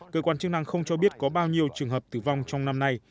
cơ quan chức năng không cho biết có bao nhiêu trường hợp tử vong trong năm nay